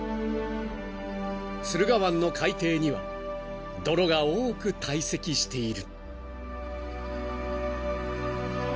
［駿河湾の海底には泥が多く堆積している］